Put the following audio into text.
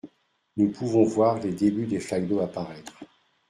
Nous pouvons voir les débuts des flaques d’eau apparaître.